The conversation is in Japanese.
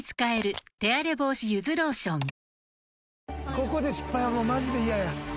ここで失敗はマジで嫌や。